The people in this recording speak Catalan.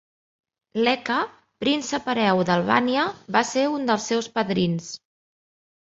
Leka, Príncep Hereu d'Albània, va ser un dels seus padrins.